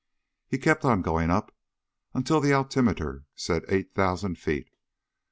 He kept on going up until the altimeter said eight thousand feet.